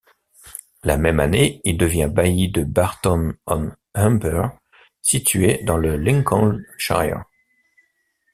La même année, il devient bailli de Barton-on-Humber, situé dans le Lincolnshire.